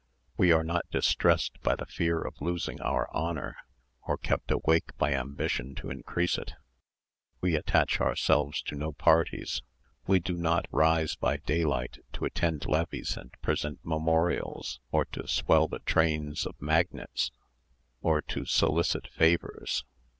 We are not distressed by the fear of losing our honour, or kept awake by ambition to increase it. We attach ourselves to no parties; we do not rise by day light to attend levees and present memorials, or to swell the trains of magnates, or to solicit favours.